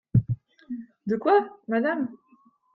De quoi ? madame.